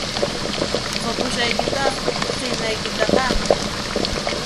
Qupushaykitáq qinaykitaqá